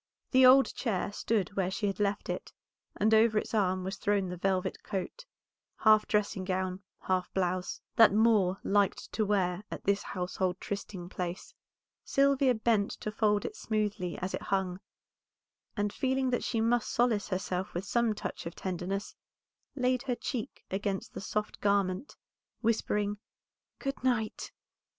The old chair stood where she had left it, and over its arm was thrown the velvet coat, half dressing gown, half blouse, that Moor liked to wear at this household trysting place. Sylvia bent to fold it smoothly as it hung, and feeling that she must solace herself with some touch of tenderness, laid her cheek against the soft garment, whispering "Good night."